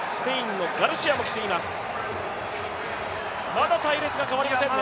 まだ隊列が変わりませんね。